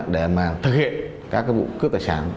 để mà thực hiện các vụ cướp tài sản